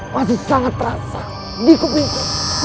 masih sangat terasa di kubingku